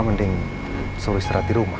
mending selalu istirahat di rumah